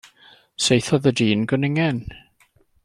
Saethodd y dyn gwningen.